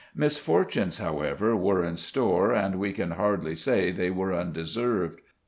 Misfortunes, however, were in store, and we can hardly say they were undeserved.